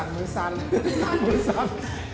มือสั่นมือสั่น